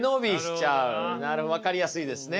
分かりやすいですね。